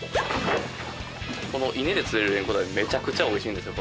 この伊根で釣れるレンコダイめちゃくちゃおいしいんですよ